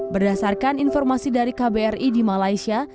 berdasarkan informasi dari kbri di malaysia